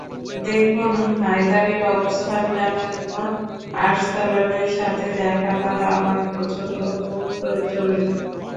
দেখুন, হায়দারের অবস্থান জানার জন্য আর্সলানের সাথে দেখা করা আমার জন্য খুব জরুরী।